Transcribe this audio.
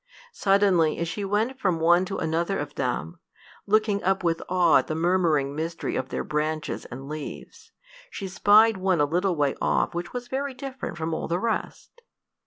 Suddenly, as she went from one to another of them, looking up with awe at the murmuring mystery of their branches and leaves, she spied one a little way off which was very different from all the rest.